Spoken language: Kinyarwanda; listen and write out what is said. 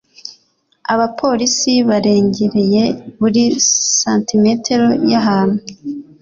Abapolisi barengereye buri santimetero y'ahantu.